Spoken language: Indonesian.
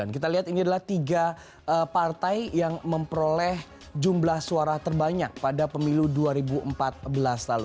kita lihat ini adalah tiga partai yang memperoleh jumlah suara terbanyak pada pemilu dua ribu empat belas lalu